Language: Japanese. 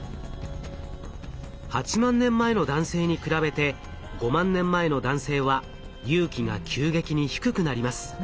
８万年前の男性に比べて５万年前の男性は隆起が急激に低くなります。